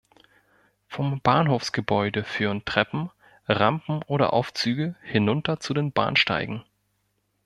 Vom Bahnhofsgebäude führen Treppen, Rampen oder Aufzüge hinunter zu den Bahnsteigen.